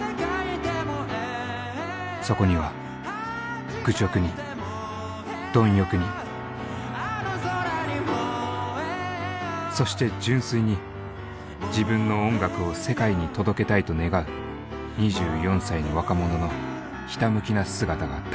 そこには愚直に貪欲にそして純粋に自分の音楽を世界に届けたいと願う２４歳の若者のひたむきな姿があった。